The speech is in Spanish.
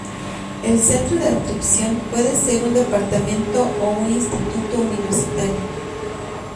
El centro de adscripción puede ser un departamento o un instituto universitario.